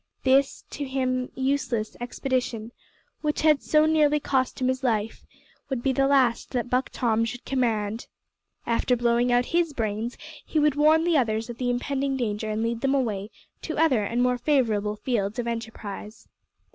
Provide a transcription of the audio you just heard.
This to him useless expedition, which had so nearly cost him his life, would be the last that Buck Tom should command. After blowing out his brains he would warn the others of the impending danger and lead them away to other and more favourable fields of enterprise.